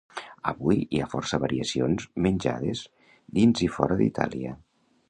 Avui hi ha força variacions menjades dins i fora d'Itàlia.